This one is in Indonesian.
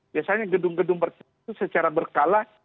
biasanya gedung gedung berkecuali secara berkala